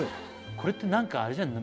これってなんかあれじゃない？